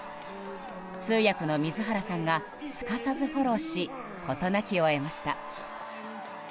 通訳の水原さんがすかさずフォローし事なきを得ました。